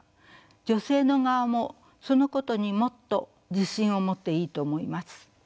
女性の側もそのことにもっと自信を持っていいと思います。